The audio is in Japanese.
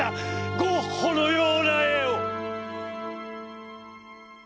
ゴッホのような絵を」。